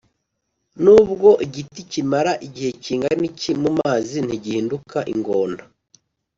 nubwo igiti kimara igihe kingana iki mumazi ntigihinduka ingona